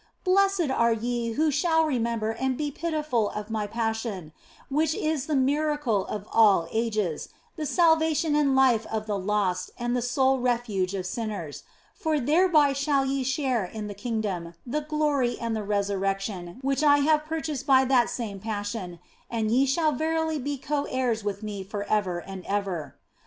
Blessed are ye who shall remember and be pitiful of My Passion, which is the Miracle of all ages, the salvation and life of the lost and the sole refuge of sinners for thereby shall ye share in the kingdom, the glory and the resurrection which I have purchased by that same Passion, and ye shall verily be co heirs with Me for ever and ever.